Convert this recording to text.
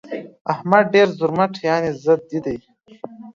احمد ډېر زورمټ يانې ضدي دى.